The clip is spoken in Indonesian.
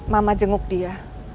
mama jenguk dia